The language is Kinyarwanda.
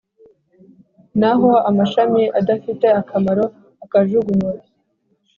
naho amashami adafite akamaro akajugunywa,